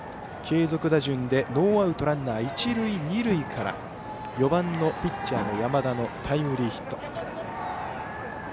継続打順でノーアウトランナー、一塁二塁から４番のピッチャー、山田のタイムリーヒット。